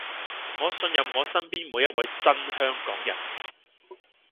我信任我身邊每一位真香港人